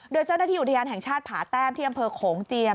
โดยเจ้าหน้าที่อุทยานแห่งชาติผาแต้มที่อำเภอโขงเจียม